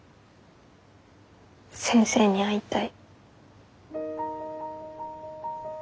先生に会いたい。